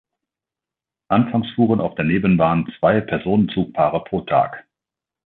Anfangs fuhren auf der Nebenbahn zwei Personenzugpaare pro Tag.